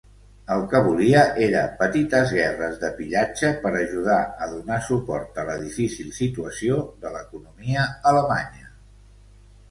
El que volia era petites guerres de pillatge per ajudar a donar suport a la difícil situació de l'economia alemanya.